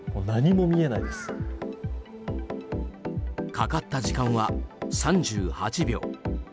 かかった時間は３８秒。